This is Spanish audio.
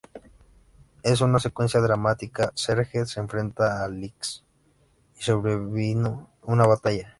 En una secuencia dramática, Serge se enfrenta a Lynx y sobrevino una batalla.